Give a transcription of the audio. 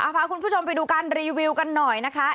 พาคุณผู้ชมไปดูการรีวิวกันหน่อยนะคะ